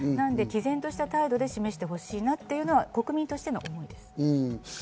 毅然とした態度で示してほしいなというのは国民としての思いです。